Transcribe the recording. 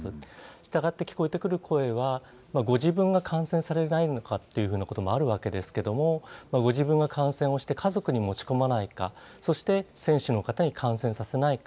したがって、聞こえてくる声は、ご自分が感染されないのかということもあるわけですけれども、ご自分が感染をして、家族に持ち込まないか、そして、選手の方に感染させないか。